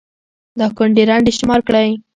دا كونـډې رنـډې شمار كړئ